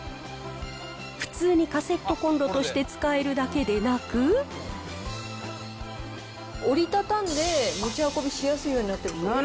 普通にカセットコンロとして使えるだけでなく、折り畳んで持ち運びしやすいようになってる。